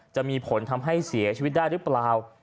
จะมีผลทำให้เสียชีวิตได้หรือเปล่า